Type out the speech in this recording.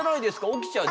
起きちゃう。